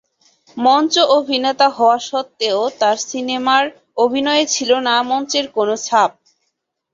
মঞ্চ অভিনেতা হওয়া সত্ত্বেও তার সিনেমার অভিনয়ে ছিল না মঞ্চের কোনো ছাপ।